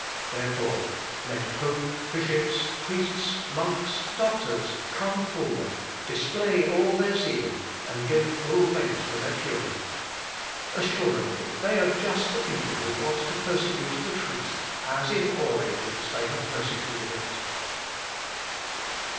Therefore, let pope, bishops, priests, monks, doctors, come forward, display all their zeal, and give full vent to their fury. Assuredly they are just the people who ought to persecute the truth, as in all ages they have persecuted it."